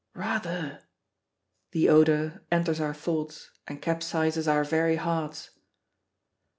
"Rather!" The odor enters our thoughts and capsizes our very hearts.